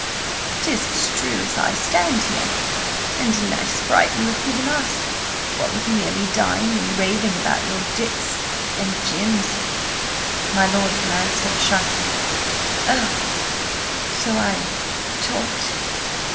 "'Tis as true as I stand here. And a nice fright you have given us, what with nearly dying, and raving about your Dicks and your Jims!" My lord glanced up sharply. "Oh! So I–talked?"